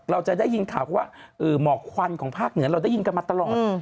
เราจะได้ยินข่าวว่าหมอกควันของภาคเหนือเราได้ยินกันมาตลอด